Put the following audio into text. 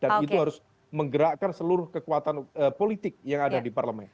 dan itu harus menggerakkan seluruh kekuatan politik yang ada di parlemen